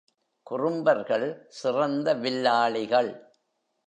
குறும்பர்கள் சிறந்த வில்லாளிகள்.